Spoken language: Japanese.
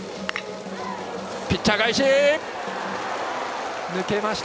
ピッチャー返し。